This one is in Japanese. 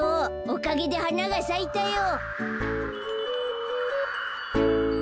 おかげではながさいたよ。